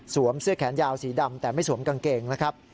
เสื้อแขนยาวสีดำแต่ไม่สวมกางเกงนะครับ